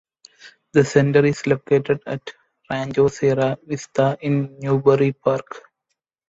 The center is located at Rancho Sierra Vista in Newbury Park.